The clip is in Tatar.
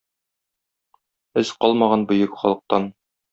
Эз калмаган бөек халыктан...